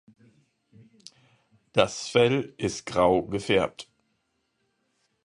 Das Fell ist grau gefärbt.